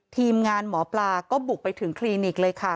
ทีมงานหมอปลาก็บุกไปถึงคลินิกเลยค่ะ